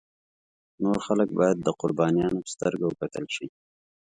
نور خلک باید د قربانیانو په سترګه وکتل شي.